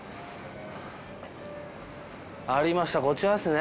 ありましたこちらですね。